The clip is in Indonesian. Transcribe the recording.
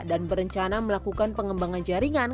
dan berencana melakukan pengembangan jaringan